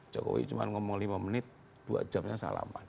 jokowi cuma ngomong lima menit dua jamnya salaman